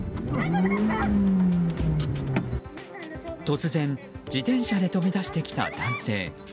突然、自転車で飛び出してきた男性。